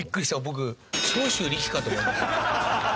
僕長州力かと思いました。